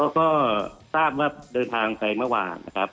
ก็ทราบว่าเดินทางไปเมื่อวานนะครับ